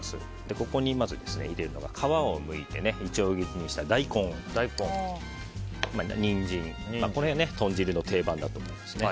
ここに入れるのが、皮をむいていちょう切りにした大根ニンジン、この辺は豚汁の定番だと思います。